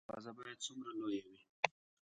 د باغ دروازه باید څومره لویه وي؟